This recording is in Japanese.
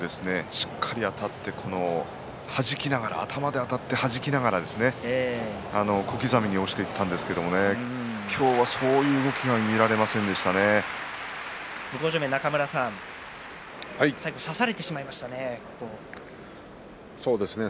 しっかりとあたってはじきながら頭であたって小刻みに押していったんですけども今日はそういう動きが中村さん差されてしまいましたね。